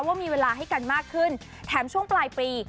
ว่ามีเวลาให้กันมากขึ้นแถมช่วงปลายปี